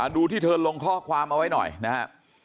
ดูที่เธอลงข้อความเอาไว้หน่อยนะครับ